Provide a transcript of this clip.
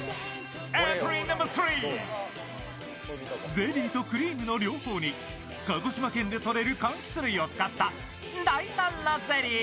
ゼリーとクリームの両方に鹿児島県でとれるかんきつ類を使っただいたんなゼリー。